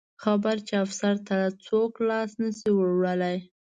خبر چې افسر ته څوک لاس نه شي وروړلی.